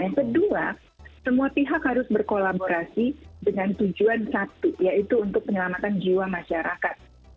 yang kedua semua pihak harus berkolaborasi dengan tujuan satu yaitu untuk penyelamatan jiwa masyarakat